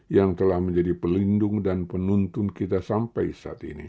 yang telah menjadi pelindung dan penuntun kita sampai saat ini